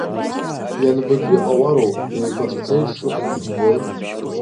Ианбатәи ҟауару, еиқәаҵәаӡа ишыҟоу шәымбои.